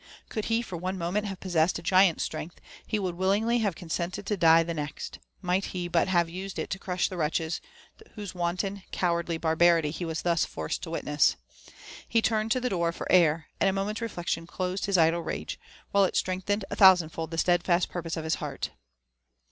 Could he for one moment have possessed a giant's.strength, he would willingly have consented to die the next, might he but have used it to crush the wretches whose wanton, cowardly barbarity he was thus forced to witness. He turned to the door for air, and a moment's reflection closed his idle rage, while it strengthened a thousand fold the steadfast purpose of his heart.